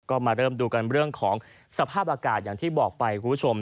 ก็มาเริ่มดูกันเรื่องของสภาพอากาศอย่างที่บอกไปคุณผู้ชม